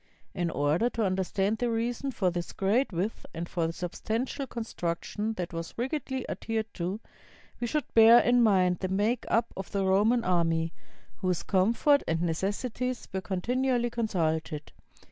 In order to understand the reason for this great width and for the substantial con struction that was rigidly adhered to, we should bear in mind the make up of the Roman army, whose comfort and necessities were continually consulted.